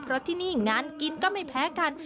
เพราะที่นี่งานกินก็ไม่แพ้กัน